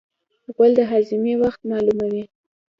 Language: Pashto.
غول د هاضمې وخت معلوموي.